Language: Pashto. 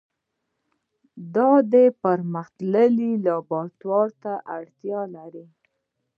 دا پرمختللي لابراتوار ته اړتیا لري.